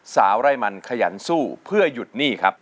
สาวไร่มันขยันสู้เพื่อหยุดหนี้ครับ